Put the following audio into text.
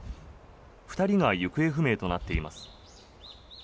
２人が行方不明となっています。